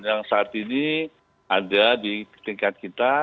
yang saat ini ada di tingkat kita